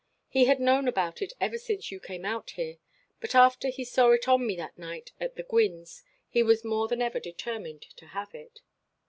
He had known about it ever since you came out here, but after he saw it on me that night at the Gwynnes' he was more than ever determined to have it.